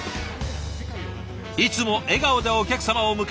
いつも笑顔でお客様を迎える。